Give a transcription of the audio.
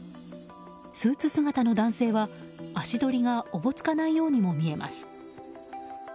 スーツ姿の男性は足取りがおぼつかないようにも見えます。